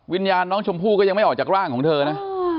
วิญญาณน้องชมพู่ก็ยังไม่ออกจากร่างของเธอนะ